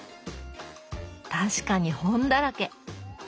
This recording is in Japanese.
確かに本だらけ。